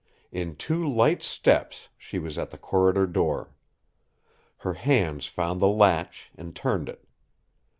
In two light steps she was at the corridor door. Her hands found the latch and turned it.